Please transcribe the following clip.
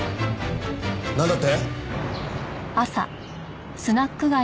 なんだって？